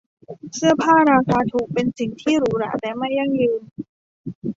เสื้อผ้าราคาถูกเป็นสิ่งที่หรูหราแต่ไม่ยั่งยืน